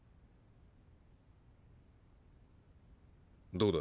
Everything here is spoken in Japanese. どうだ？